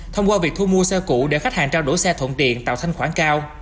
thông qua việc thu mua xe cũ để khách hàng trao đổi xe thuận tiện tạo thanh khoản cao